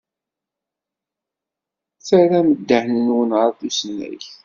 Terram ddehn-nwen ɣer tusnakt.